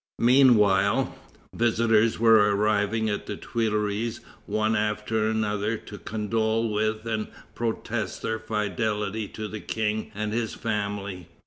Meanwhile, visitors were arriving at the Tuileries one after another to condole with and protest their fidelity to the King and his family.